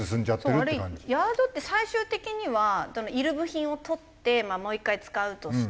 ヤードって最終的にはいる部品を取ってまあもう１回使うとして。